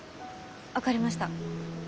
分かりました。